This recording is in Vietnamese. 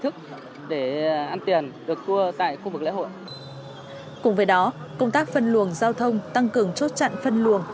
cùng với đó công tác phân luồng giao thông tăng cường chốt chặn phân luồng